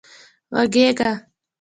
غږېږه